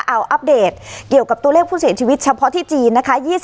เอาอัปเดตเกี่ยวกับตัวเลขผู้เสียชีวิตเฉพาะที่จีนนะคะ